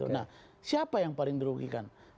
nah siapa yang paling dirugikan